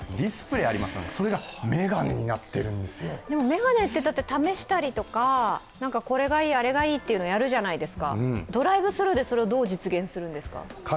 眼鏡って試したりとかこれがいい、あれがいいというのやるじゃないですか、ドライブスルーでそれをどう実現するんですか？